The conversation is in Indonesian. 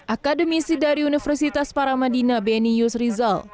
akademisi dari universitas paramadina bni yus rizal